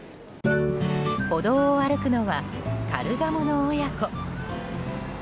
歩道を歩くのはカルガモの親子。